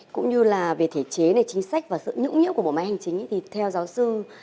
cũng như là về thể chế này chính sách và sự nhũng nhĩa của bộ máy hành chính thì theo giáo sư